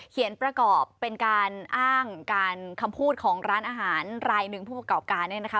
ประกอบเป็นการอ้างการคำพูดของร้านอาหารรายหนึ่งผู้ประกอบการเนี่ยนะคะ